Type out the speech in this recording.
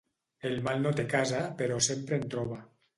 El mal no té casa, però sempre en troba.